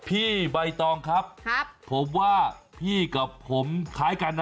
ใบตองครับผมว่าพี่กับผมคล้ายกันนะ